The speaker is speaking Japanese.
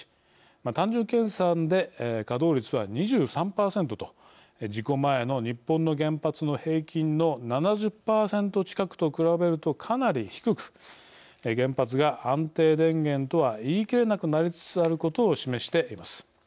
単純計算で稼働率は２３％と事故前の日本の原発の平均の７０％近くと比べるとかなり低く原発が安定電源とは言い切れなくなりつつあることを示しています。